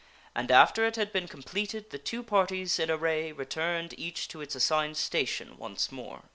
And after it had been completed the two parties in array returned each to its assigned station once more.